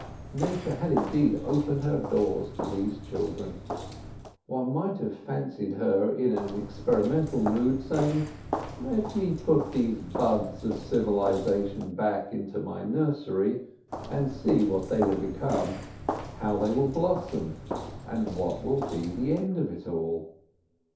Nature had indeed opened her doors to these children. One might have fancied her in an experimental mood, saying: "Let me put these buds of civilisation back into my nursery and see what they will become—how they will blossom, and what will be the end of it all."